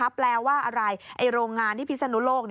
แปลว่าอะไรโรงงานที่พิศนุโลก